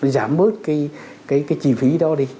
giảm bớt cái chi phí đó đi